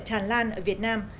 tràn lan ở việt nam